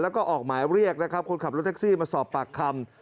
แล้วก็ออกหมายเรียกนะครับคนขับรถแท็กซี่มาสอบปากคำ